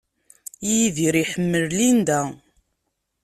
Yidir iḥemmel Linda.